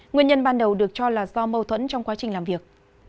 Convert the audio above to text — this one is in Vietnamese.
nguyên nhân ban đầu được cho là do mâu thuẫn trong quá trình làm việc